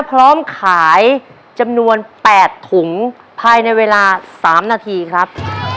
พร้อมขายจำนวน๘ถุงภายในเวลา๓นาทีครับ